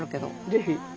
ぜひ。